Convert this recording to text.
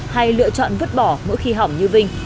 hay lựa chọn vứt bỏ mỗi khi hỏng như vinh